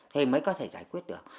thì mới có thể giải quyết được